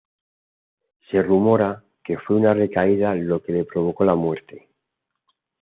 Se rumora que fue una recaída lo que le provocó la muerte.